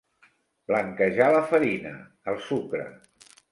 Blanquejar la farina, el sucre.